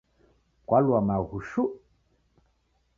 Kwalua maghu shuu.